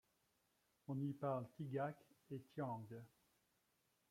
On y parle tigak et tiang.